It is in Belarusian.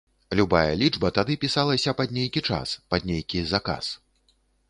Любая лічба тады пісалася пад нейкі час, пад нейкі заказ.